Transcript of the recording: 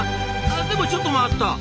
でもちょっと待った！